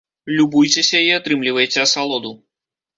Любуйцеся і атрымлівайце асалоду!